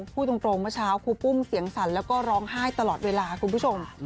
พูดตรงเมื่อเช้าครูปุ้มเสียงสั่นแล้วก็ร้องไห้ตลอดเวลาคุณผู้ชม